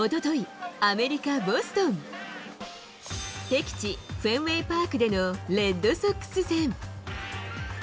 敵地、フェンウェイパークでのレッドソックス戦。